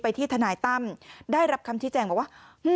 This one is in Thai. ที่ทนายตั้มได้รับคำชี้แจงบอกว่า